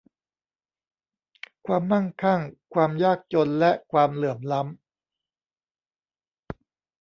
ความมั่งคั่ง ความยากจนและความเหลื่อมล้ำ